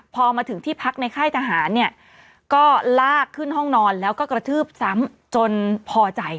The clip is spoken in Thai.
พอมาถึงที่พักในค่ายทหารเนี่ยก็ลากขึ้นห้องนอนแล้วก็กระทืบซ้ำจนพอใจ